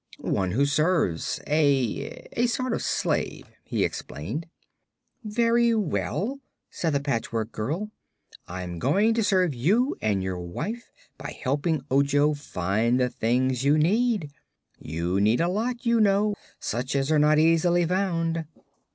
"One who serves. A a sort of slave," he explained. "Very well," said the Patchwork Girl, "I'm going to serve you and your wife by helping Ojo find the things you need. You need a lot, you know, such as are not easily found."